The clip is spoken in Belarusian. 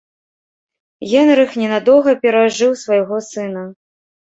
Генрых ненадоўга перажыў свайго сына.